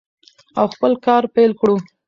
او خپل کار پیل کړو.